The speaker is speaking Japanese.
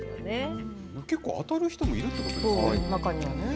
結構、当たる人もいるってこ中にはね。